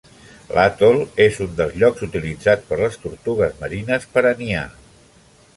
L'atol és un dels llocs utilitzats per les tortugues marines per a niar.